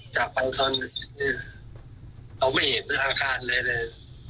ตอนนี้เราไม่เห็นในทางคาดเลยเลย